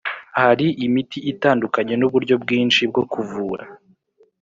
hari imiti itandukanye n uburyo bwinshi bwo kuvura